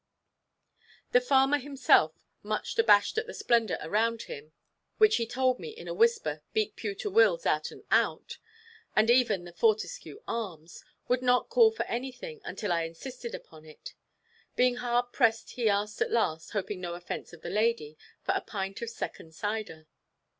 The farmer himself, much abashed at the splendour around him, which he told me, in a whisper, beat Pewter Will's out and out, and even the "Fortescue Arms," would not call for anything, until I insisted upon it; being hard pressed he asked at last, hoping no offence of the lady, for a pint of second cider.